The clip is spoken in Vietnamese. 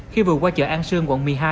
khi vừa qua chợ an sương quận một mươi hai